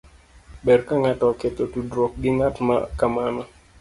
Ber ka ng'ato oketho tudruok gi ng'at ma kamano.